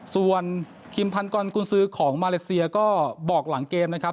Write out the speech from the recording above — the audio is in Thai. ส่วนคิมพันกรกุญซื้อของมาเลเซียก็บอกหลังเกมนะครับ